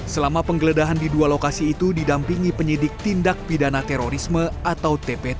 selama penggeledahan di dua lokasi itu didampingi penyidik tindak pidana terorisme atau tpt